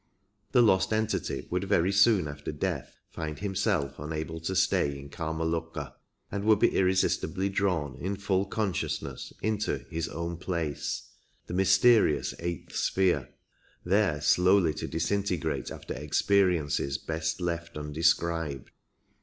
The lost entity would very soon after death find himself unable to stay in K^ma loka, and would he irresistibly drawn in full consciousness into his own place," the mysterious eighth sphere, there slowly to disintegrate after experiences best left undescribed.